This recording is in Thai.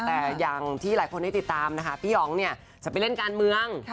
แต่อย่างที่หลายคนได้ติดตามนะคะพี่หองเนี่ยจะไปเล่นการเมือง